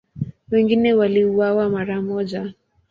Wengine waliuawa mara moja.